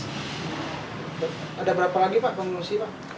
ada berapa lagi pak pengungsi pak